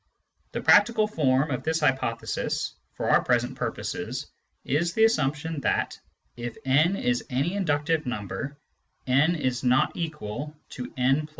The practical form of this hypothesis, for our present purposes, is the assumption that, if re is any inductive number, re is not equal to re+i.